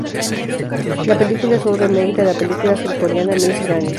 La película es un "remake" de la película surcoreana "Miss Granny".